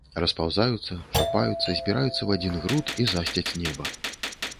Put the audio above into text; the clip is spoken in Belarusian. Распаўзаюцца, чапаюцца, збіраюцца ў адзін груд і засцяць неба.